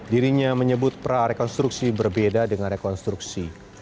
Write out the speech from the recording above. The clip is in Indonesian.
dirinya menyebut prarekonstruksi berbeda dengan rekonstruksi